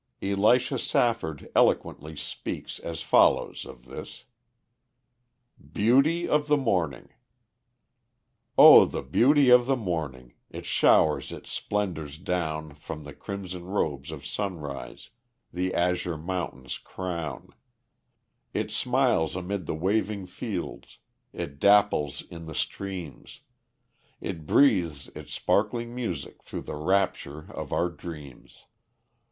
Elisha Safford eloquently speaks as follows of this: BEAUTY OF THE MORNING Oh, the beauty of the morning! It showers its splendors down From the crimson robes of sunrise, the azure mountain's crown; It smiles amid the waving fields, it dapples in the streams, It breathes its sparkling music through the rapture of our dreams.